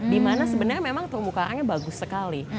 di mana sebenarnya memang kerumbu karangnya bagus sekali